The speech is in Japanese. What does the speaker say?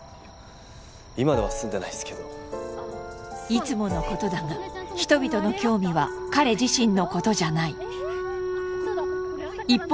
今では住んでないですけどいつものことだが人々の興味は彼自身のことじゃない一方